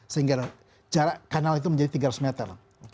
sehingga jarak kanal itu menjadi tiga ratus meter